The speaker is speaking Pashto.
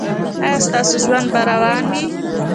ایا ستاسو ژوند به روان وي؟